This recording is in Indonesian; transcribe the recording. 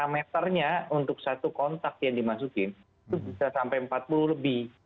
lima meternya untuk satu kontak yang dimasukin itu bisa sampai empat puluh lebih